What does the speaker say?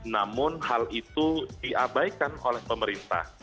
namun hal itu diabaikan oleh pemerintah